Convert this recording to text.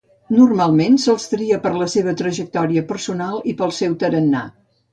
Normalment se’ls tria per la seva trajectòria personal i pel seu tarannà.